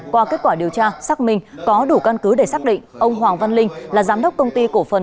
qua kết quả điều tra xác minh có đủ căn cứ để xác định ông hoàng văn linh là giám đốc công ty cổ phần